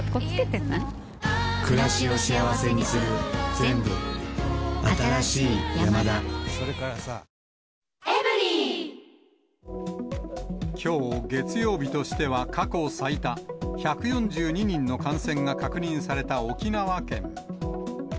一部では、休業要請などが緩和さきょう、月曜日としては過去最多、１４２人の感染が確認された沖縄県。